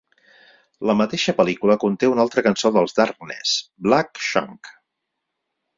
La mateixa pel·lícula conté una altra cançó dels Darkness, Black Shuck.